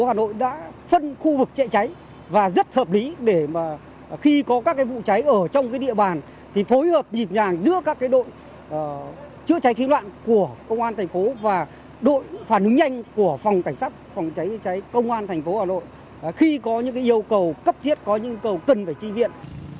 và đội phản ứng nhanh của phòng cảnh sát phòng cháy chữa cháy công an thành phố hà nội khi có những yêu cầu cấp thiết có những yêu cầu cần phải tri viện